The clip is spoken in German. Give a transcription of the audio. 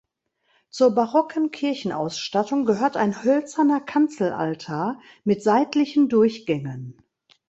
Zur barocken Kirchenausstattung gehört ein hölzerner Kanzelaltar mit seitlichen Durchgängen.